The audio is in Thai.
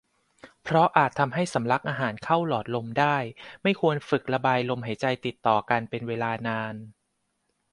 เพราะอาจทำให้สำลักอาหารเข้าหลอดลมได้ ไม่ควรฝึกระบายลมหายใจติดต่อกันเป็นเวลานาน